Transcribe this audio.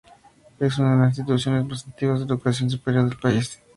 Es una de las instituciones más antiguas de educación superior del país.